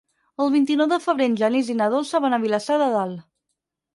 El vint-i-nou de febrer en Genís i na Dolça van a Vilassar de Dalt.